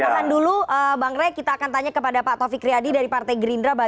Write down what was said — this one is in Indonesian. mohon dulu bang ray kita akan tanya kepada pak taufik riyadi dari partai gerindra